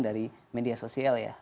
dari media sosial ya